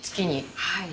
はい。